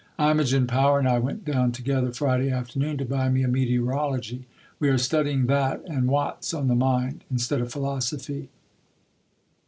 Imogen Power and I went down together Friday afternoon to buy me a Meteorology. We are studying that and Watts on the Mind, instead of Philosophy.